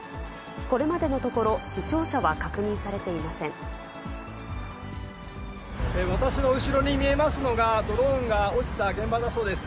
これまでのところ、私の後ろに見えますのが、ドローンが落ちた現場だそうです。